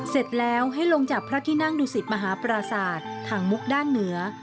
เสร็จแล้วให้ลงจากพระที่นั่งดุสิตมหาปราศาสตร์ทางมุกด้านเหนือ